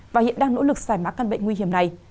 và hiện đang nỗ lực xảy mác căn bệnh nguy hiểm này